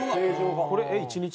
これ１日？